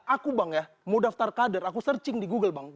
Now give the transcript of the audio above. aku bang ya mau daftar kader aku searching di google bang